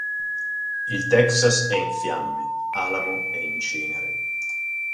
Il Texas è in fiamme, Alamo è in cenere.